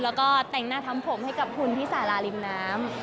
แล้วก็แต่งหน้าทำผมให้กับคุณที่สาราริมน้ำ